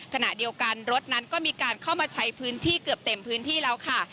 ขณะเดียวกันรถนั้นก็มีการเข้ามาใช้พื้นที่เกือบเต็มพื้นที่แล้วค่ะ